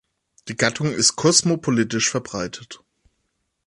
Die Gattung ist kosmopolitisch verbreitet.